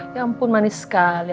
ya ampun manis sekali